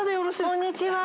こんにちは。